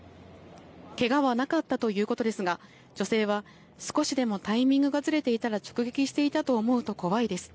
けがはなかったということですが、女性は、少しでもタイミングがずれていたら直撃していたと思うと怖いです。